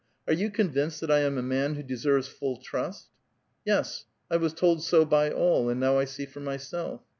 Are yon convinced that I am a man who deserves full trust?" Yes ; I was told so by all, and noift I see for myself."